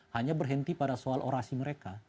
hanya berhenti pada soal orasi mereka